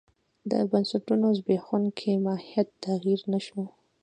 د بنسټونو زبېښونکی ماهیت تغیر نه شو.